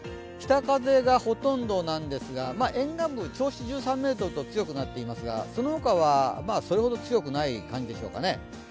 北風がほとんどなんですが沿岸部、銚子は１３ｍと強くなっていますが、その他はそれほど強くない感じでしょうかね。